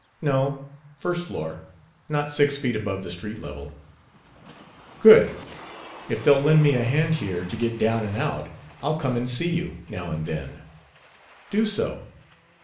"No; first floor, not six feet above the street level." "Good. If they'll lend me a hand here, to get down and out, I'll come and see you, now and then." "Do so."